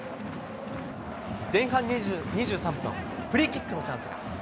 前半２３分、フリーキックのチャンス。